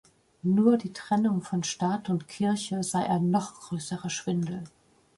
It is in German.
Nur die Trennung von Staat und Kirche sei ein noch größerer Schwindel.